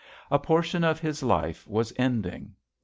A portion of his life was ending.